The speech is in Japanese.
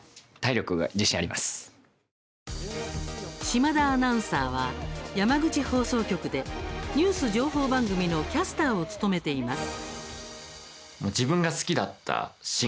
島田アナウンサーは山口放送局でニュース情報番組のキャスターを務めています。